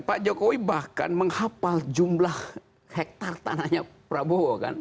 pak jokowi bahkan menghapal jumlah hektare tanahnya prabowo kan